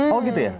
oh gitu ya